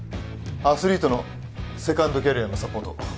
アスリートのセカンドキャリアのサポート